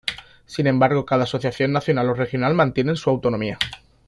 Sin embargo cada asociación nacional o regional mantienen su autonomía.